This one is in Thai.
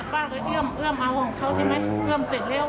ป้าก็เอื้อมเอาของเขาเอื้อมเสร็จแล้ว